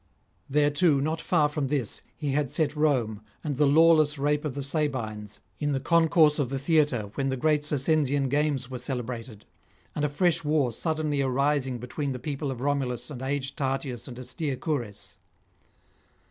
Thereto not far from this he had set Rome and the lawless rape of the Sabines in the concourse of the theatre when the great Circensian games were celebrated, and a fresh war suddenly arising between the people of Romulus and aged Tatius and austere Cures.